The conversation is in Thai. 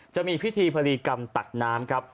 จะมีพิธีพลีกรรมตักน้ำครับ